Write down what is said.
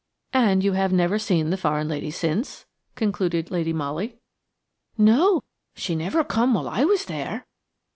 "And you have never seen the foreign lady since?" concluded Lady Molly. "No; she never come while I was there."